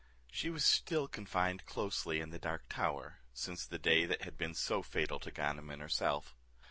She was still confined closely in the dark tower, since the day that had been so fatal to Ganem and herself.